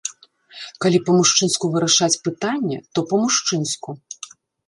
Калі па-мужчынску вырашаць пытанне, то па-мужчынску.